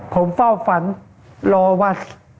ผมเฝ้าฝันรอวัด